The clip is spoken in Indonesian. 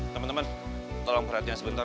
temen temen tolong perhatian sebentar